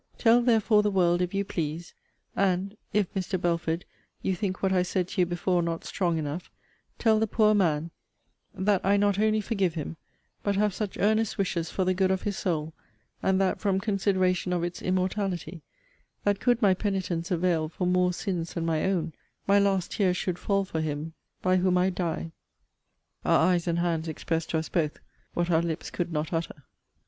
Tell, therefore, the world, if you please, and (if, Mr. Belford, you think what I said to you before not strong enough,) tell the poor man, that I not only forgive him, but have such earnest wishes for the good of his soul, and that from consideration of its immortality, that could my penitence avail for more sins than my own, my last tear should fall for him by whom I die! Our eyes and hands expressed to us both what our lips could not utter.